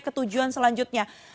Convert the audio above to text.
ke tujuan selanjutnya